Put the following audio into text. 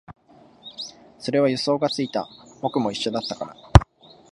それは予想がついた、僕も一緒だったから